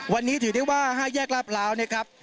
วันนี้ถือได้ว่า๕แยกลาดพร้าวนะครับ